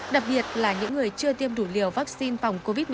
đặc biệt là những người chưa tiêm đủ liều vaccine phòng covid một mươi chín